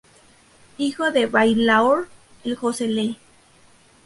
Hijo del bailaor "El Josele".